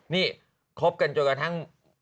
นี่คบกันจนกระทั่ง